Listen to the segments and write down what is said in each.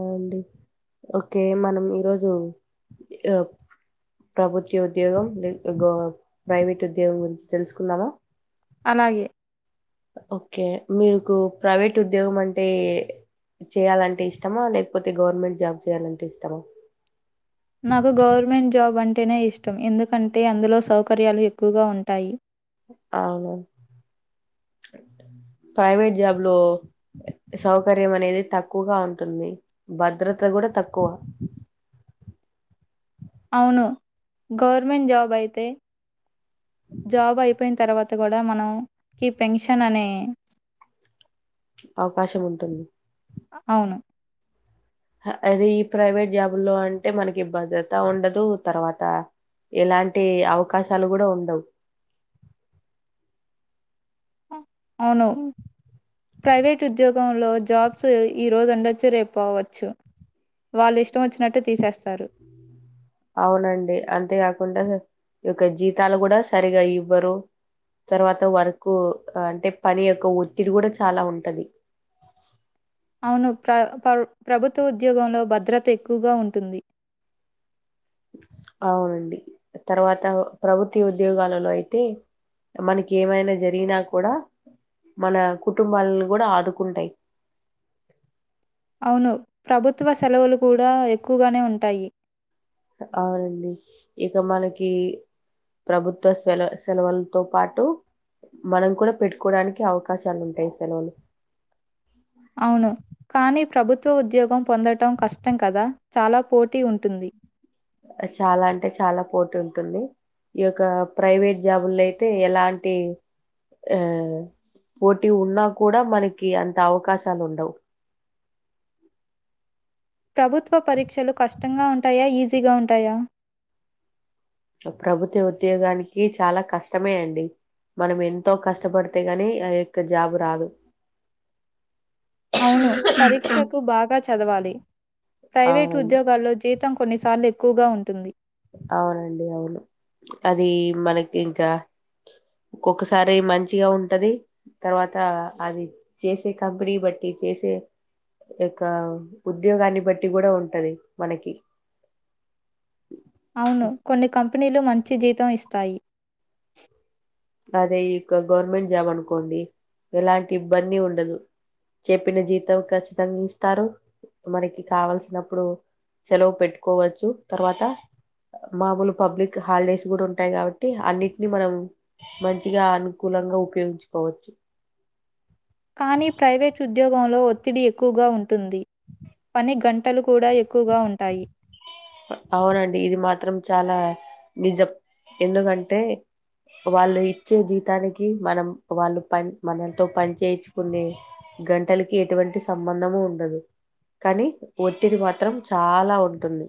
అండి ఓకే మనం ఈరోజు ప్రభుత్వ ఉద్యోగం గ ప్రైవేట్ ఉద్యోగం గురించి తెలుసుకుందావా అలాగే ఓకే మీకు ప్రైవేట్ ఉద్యోగం అంటే చేయాలంటే ఇష్టమా లేకపోతే గవర్నమెంట్ జాబ్ చేయాలంటే ఇష్టమా నాకు గవర్నమెంట్ జాబ్ అంటే అంటేనే ఇష్టం ఎందుకంటే అందులో సౌకర్యాలు ఎక్కువగా ఉంటాయి అవును ప్రైవేట్ జాబ్ లో సౌకర్యం అనేది తక్కువగా ఉంటుంది భద్రత కూడా తక్కువ అవును గవర్నమెంట్ జాబ్ అయితే జాబ్ అయిపోయిన తర్వాత అ కూడా మనం క పెన్షన్ అనే అవకాశం ఉంటుంది అవును అది ఈ ప్రైవేట్ జాబు లో అంటే మనకి భద్రత ఉండదు తర్వాత ఎలాంటి అవకాశాలు కూడా ఉండవు అవును ప్రైవేట్ ఉద్యోగంలో జాబ్స్ ఈరోజు ఉండొచ్చు రేపోవచ్చు వాళ్ళు ఇష్టం వచ్చినట్టు తీసేస్తారు అవునండి అంతేకాకుండా ఈ యొక్క జీతాలు కూడా సరిగా ఇవ్వరు తర్వాత వర్కు అంటే పని యొక్క ఒత్తిడి కూడా చాలా ఉంటది అవును ప్ర ప్రభుత్వ ఉద్యోగంలో భద్రత ఎక్కువగా ఉంటుంది అవునండి తర్వాత ప్రభుత్వ ఉద్యోగాలలో అయితే మనకి ఏమైనా జరిగినా కూడా మన కుటుంబాలను కూడా ఆదుకుంటాయి అవును ప్రభుత్వ సెలవులు కూడా ఎక్కువగానే ఉంటాయి అవునండి ఇక మనకి ప్రభుత్వ సెల సెలవులతో పాటు మనం కూడా పెట్టుకోవడానికి అవకాశాలు ఉంటాయి సెలవులు అవును కానీ ప్రభుత్వ ఉద్యోగం పొందటం కష్టం కదా చాలా పోటీ ఉంటుంది చాలా అంటే చాలా పోటీ ఉంటుంది ఈ యొక్క ప్రైవేట్ జాబుల్లో అయితే ఎలాంటి ఆ పోటీ ఉన్నా కూడా మనకి అంత అవకాశాలు ఉండవు ప్రభుత్వ పరీక్షలు కష్టంగా ఉంటాయా ఈజీగా ఉంటాయా ప్రభుత్వ ఉద్యోగానికి చాలా కష్టమే అండి మనం ఎంతో కష్టపడితే గాని ఆ యొక్క జాబ్ు రాదు అవును పరీక్షకు బాగా చదవాలి ప్రైవేటు అవునండి ఉద్యోగాల్లో జీతం కొన్నిసార్లు ఎక్కువగా ఉంటుంది అవునండి అవును అది మనకి ఇంకా ఒొక్కసారి మంచిగా ఉంటది తర్వాత అది చేసే కంపెనీ బట్టి చేసే యొక్క ఉద్యోగాన్ని బట్టి కూడా ఉంటది మనకి అవును కొన్ని కంపె కంపెనీలు మంచి జీతం ఇస్తాయి అదే ఈ యొ గవర్నమెంట్ జాబ్ అనుకోండి ఎలాంటి ఇబ్బంది ఉండదు చెప్పిన జీతం ఖచ్చితంగా ఇస్తారు మనకి కావల్సినప్పుడు సెలవు పెట్టుకోవచ్చు తర్వాత మామూలు పబ్లిక్ హాలిడేస్ కూడా ఉంటాయి కాబట్టి అన్నిటిని మనం మంచిగా అనుకూలంగా ఉపయోగించుకోవచ్చు కానీ ప్రైవేట్ ఉద్యోగంలో ఒత్తిడి ఎక్కువగా ఉంటుంది పని గంటలు కూడా ఎక్కువగా ఉంటాయి అవునండి ఇది మాత్రం చాలా నిజ ఎందుకంటే వాళ్ళు ఇచ్చే జీతానికి మనం వాళ్ళు పని మనతో పని చేయించుకునే గంటలకి ఎటువంటి సంబంధము ఉండదు కానీ ఒత్తిది మాత్రం చాలా ఉంటుంది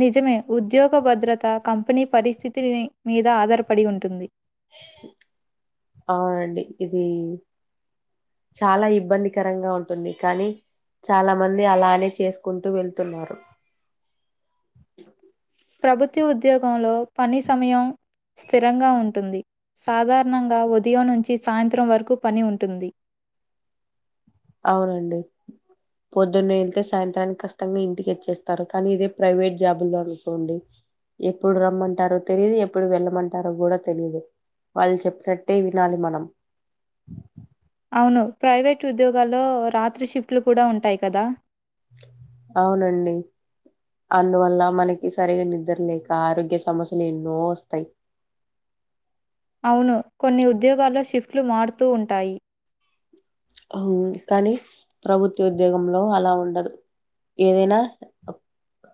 నిజమే ఉద్యోగ భద్రత కంపెనీ పరిస్థితి మీద ఆధారపడి ఉంటుంది అవునండి ఇది చాలా ఇబ్బందికరంగా ఉంటుంది కానీ చాలా మంది అలానే చేసుకుంటూ వెళ్తున్నారు ప్రభుత్వ ఉద్యోగంలో పని సమయం స్థిరంగా ఉంటుంది సాధారణంగా ఉదయం నుంచి సాయంత్రం వరకు పని ఉంటుంది అవునండి పొద్దున్న వెళ్తే సాయంత్రానికి కష్టంగా ఇంటికి వచ్చేస్తారు కానీ ఇదే ప్రైవేట్ జాబుల్లో అనుకోండి ఎప్పుడు రమ్మంటారో తెలిదు ఎప్పుడు వెళ్ళమంటారో కూడా తెలియదు వాళ్ళు చెప్పినట్టే వినాలి మనం అవును ప్రైవేట్ ఉద్యోగాల్లో రాత్రి షిఫ్ట్లు కూడా ఉంటాయి కదా అవునండి అందువల్ల మనకి సరిగా నిద్ర లేక ఆరోగ్య సమస్యలు ఎన్నో వస్తాయి అవును కొన్ని ఉద్యోగాల్లో షిఫ్ట్లు మారుతూ ఉంటాయి అ కానీ ప్రభుత్వ ఉద్యోగంలో అలా ఉండదు ఏదైనా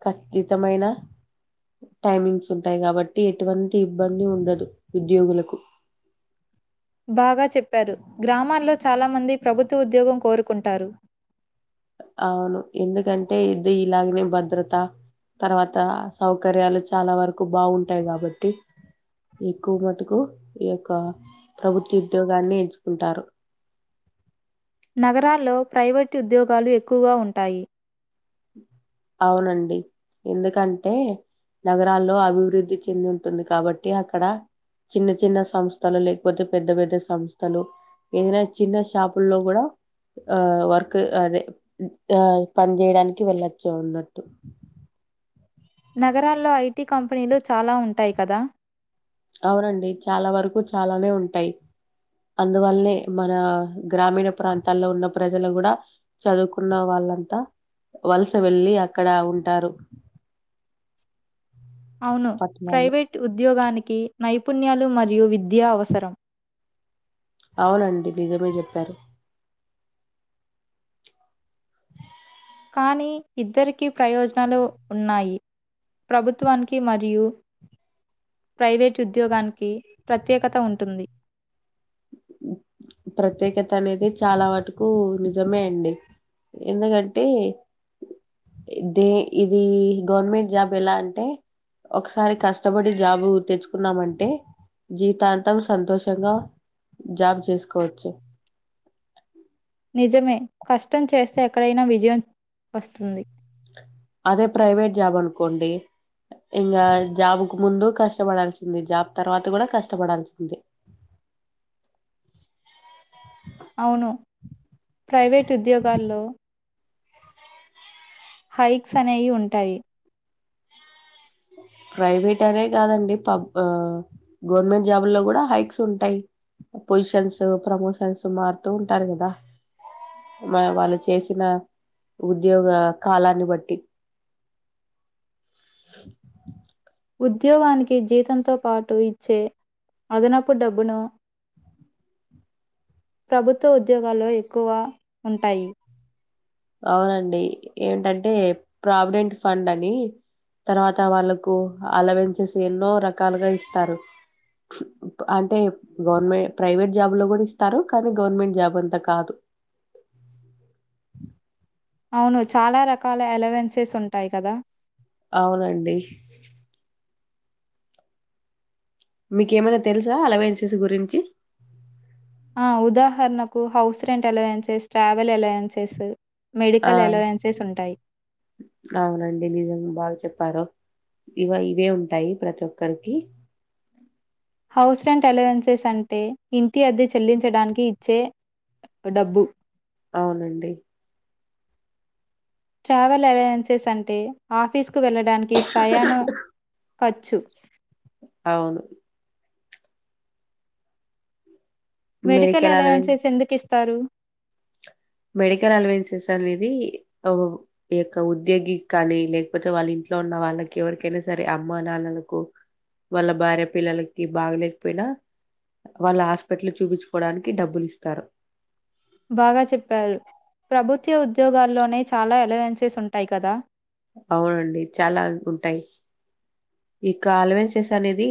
కఖచ్చితమైన టైమింగ్స్ ఉంటాయి కాబట్టి ఎటువంటి ఇబ్బంది ఉండదు ఉద్యోగులకు బాగా చెప్పారు గ్రామాల్లో చాలా మంది ప్రభుత్వ ఉద్యోగం కోరుకుంటారు అవును ఎందుకంటే ఇది ఇలాగనే భద్రత తర్వాత సౌకర్యాలు చాలా వరకు బాగుంటాయి కాబట్టి ఎక్కువ మటుకు ఈ యొక్క ప్రభుత్వ ఉద్యోగాన్ని ఎంచుకుంటారు నగరాల్లో ప్రైవేట్ ఉద్యోగాలు ఎక్కువగా ఉంటాయి అవునండి ఎందుకంటే నగరాల్లో అభివృద్ధి చెంది ఉంటుంది కాబట్టి అక్కడ చిన్న చిన్న సంస్థలు లేకపోతే పెద్ద పెద్ద సంస్థలు ఏదైనా చిన్న షాపుల్లో కూడా ఆ వర్క్ అదే ఆ పని చేేయడానికి కి వెళ్ళొచ్చా ఉన్నట్టు నగరాల్లో ఐటీ కంపెనీలు చాలా ఉంటాయి కదా అవునండి చాలా వరకు చాలానే ఉంటాయి అందువల్లనే మన గ్రామీణ ప్రాంతాల్లో ఉన్న ప్రజలు కూడా చదువుకున్న వాళ్ళంతా వలస వెళ్ళలి అక్కడ ఉంటారు అవును పట్టణాల్లో. ప్రైవేట్ ఉద్యోగానికి కి నైపుణ్యాలు మరియు విద్య అవసరం అవునండి నిజమే చెప్పారు కానీ ఇద్దరికీ ప్రయోజనాలు ఉన్నాయి ప్రభుత్వానికి మరియు ప్రైవేటు ఉద్యోగానికి ప్రత్యేకత ఉంటుంది ప్రత్యేకత అనేది చాలా వాటుకు నిజమే అండి ఎందుకంటే దే ఇది గవర్నమెంట్ జాబ్ ఎలా అంటే ఒకసారి కష్టపడి జాబ్ు తెచ్చుకున్నామంటే జీవితాంతం సంతోషంగా జాబ్ చేసుకు కోవచ్చు నిజమే కష్టం చేస్తే ఎక్కడైనా విజయం వస్తుంది అదే ప్రైవేట్ జాబ్ అనుకోండి ఇంకా జాబ్ కు ముందు కష్టపడాల్సింది జాబ్ తర్వాత కూడా కష్టపడాల్సింది అవును ప్రైవేటు ఉద్యోగాల్లో హైక్స్ అనేవి ఉంటాయి ప్రైవేట్ అనే కాదండి పబ్ గవర్నమెంట్ జాబ్ు లో కూడా హైక్స్ ఉంటాయి పొజిషన్స్ ప్రమోషన్స్ మారుతూ ఉంటారు కదా మ వాళ్ళు చేసిన ఉద్యోగ కాలాన్ని బట్టి ఉద్యోగానికి జీతంతో పాటు ఇచ్చే అదనపు డబ్బును ప్రభుత్వ ఉద్యోగాల్లో ఎక్కువ ఉంటాయి అవునండి ఏంటంటే ప్రావిడెంట్ ఫండ్ అని తర్వాత వాళ్ళకు అలవెన్సెస్ ఎన్నో రకాలుగా ఇస్తారు అంటే గవర్నమెంట్ ప్రైవేట్ జాబ్ లో కూడా ఇస్తారు కానీ గవర్నమెంట్ జాబ్ అంతా కాదు అవును చాలా రకాల ఎలెవెన్సెస్ ఉంటాయి కదా అవునండి మీకేమైనా తెలుసా అలవన్సెస్ గురించి ఆ! ఉదాహరణకు house rent allowances travel allowances ఆ మెడికల్ అలవెన్సెస్ ఉంటాయి. అవునండి నిజంగా బాగా చెప్పారు ఇవ ఇవే ఉంటాయి ప్రతి ఒక్కరికి హౌస్ రెంట్ అలవెన్సెస్ అంటే ఇంటి అద్దె చెల్లించడానికి ఇచ్చే డబ్బు అవునండి ట్రావెల్ ఏజెన్సీస్ అంటే ఆఫీస్ కు వెళ్ళ దానికి ప్రయాణం ఖర్చు అవును మెడికల్ అలౌవన్సెస్ ఎందుకు ఇస్ తరు మెడికల్ అలవన్సెస్ అనేది ఒక్క ఉద్యోగి కానీ లేకపోతే వాళ్ళ ఇంట్లో ఉన్న వాళ్ళకి ఎవరికైనా సరే అమ్మ నాన్నలకు వాళ్ళ భార్య పిల్లలకి బాగలేకపోయినా వాళ్ళ హాస్పిటల్ చూపించుకోవడానికి డబ్బులు ఇస్తారు బాగా చెప్పారు ప్రభుత్వ ఉద్యోగాల్లోనే చాలా అలోవెన్సెస్ ఉంటాయి కదా అవునండి చాలా ఉంటాయ్ ఇక అలవెన్సెస్ అనేది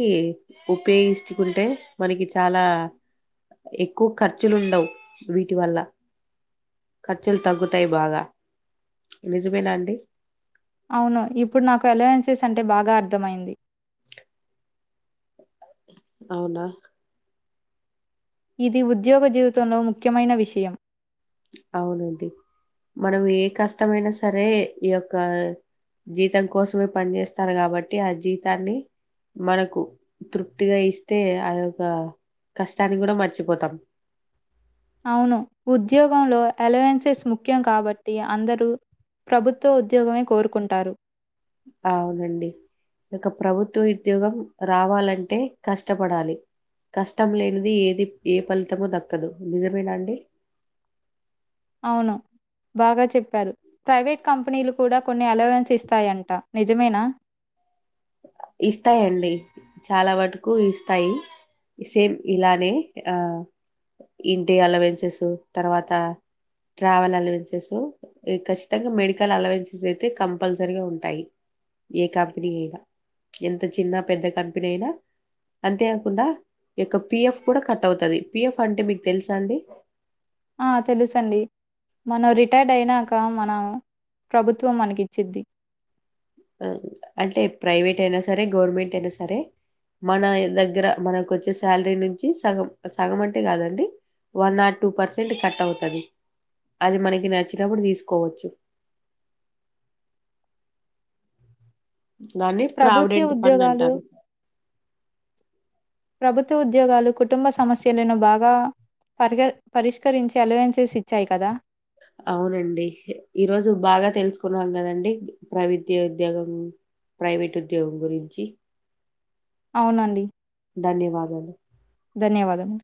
ఉపయోగించుకుంటే మనకి చాలా ఎక్కువ ఖర్చులు ఉండవ్ వీటి వల్ల ఖర్చులు తగ్గుతాయి బాగా నిజమేనా అండి అవును ఇప్పుడు నాకు అలవెన్సెస్ అంటే బాగా అర్థమైంది అవునా ఇది ఉద్యోగ జీవితంలో ముఖ్యమైన విషయం అవునండి మనం ఏ కష్టమైనా సరే ఈ యొక్క జీతం కోసమే పనిచేస్తారు కాబట్టి ఆ జీతాన్ని మనకు తృప్తిగా ఇస్తే ఆ యొక్క కష్టాన్ని గుడా మర్చిపోతాం అవును ఉద్యోగంలో అలవెన్సెస్ ముఖ్యం కాబట్టి అందరూ ప్రభుత్వ ఉద్యోగమే కోరుకుంటారు అవునండి ఇక్క ప్రభుత్వ ఉద్యోగం రావాలంటే కష్టపడాలి కష్టం లేనిది ఏది ఏ ఫలితము దక్కదు నిజమేనా అండి అవును బాగా చెప్పారు ప్రైవేట్ కంపెనీలు కూడా కొన్ని అలవెన్స్ ఇస్తాయంట నిజమేనా ఇస్తాయండి చాలా వటకు ఇస్తాయి సేమ్ ఇలానే ఆ ఇంటి అలవెన్సెస్ తర్వాత ట్రావెల్ అలవెన్సెస్ ఖచ్చితంగా మెడికల్ అలవెన్సెస్ అయితే కంపల్సరిగా ఉంటాయి ఏ కంపెనీ అయినా ఎంత చిన్న పెద్ద కంపెనీ అయినా అంతేకాకుండా యొక్క పిఎఫ్ కూడా కట్ అవుతది పిఎఫ్ అంటే మీకు తెలుసా అండి ఆ తెలుసండి మనం రిటైర్డ్ అయినాక మన ప్రభుత్వం మనకి ఇచ్చిద్ది అంటే ప్రైవేట్ అయినా సరే గవర్నమెంట్ అయినా సరే మన దగ్గర మనకు వచ్చే సాలరీ నుంచి సగం సగం అంటే కాదండి one or two percent cut అవుతుంది అది మనకి నచ్చినప్పుడు తీసుకోవచ్చు దాన్ని ప్రభుత్వ ప్రావిడెంట్ పండ్ ఉద్యోగాలు అంటారు ప్రభుత్వ ఉద్యోగాలు కుటుంబ సమస్యలను బాగా పరిగ పరిష్కరించి అలవెన్సెస్ ఇచ్చాయి కదా అవునండి ఈరోజు బాగా తెలుసుకున్నాం కదండి ప్రైవిత్య ఉద్యోగం ప్రైవేట్ ఉద్యోగం గురించి అవునండి ధన్యవాదాలు ధన్యవాదము